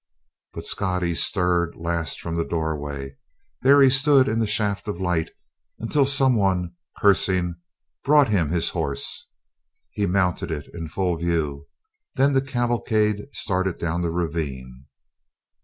But Scottie stirred last from the doorway; there he stood in the shaft of light until some one, cursing, brought him his horse. He mounted it in full view. Then the cavalcade started down the ravine.